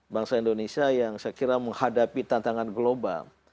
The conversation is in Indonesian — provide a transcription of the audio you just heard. bangsa indonesia yang saya kira menghadapi tantangan global